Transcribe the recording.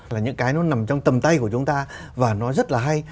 là những cái nó nằm trong tầm tay của chúng ta và nó rất là hay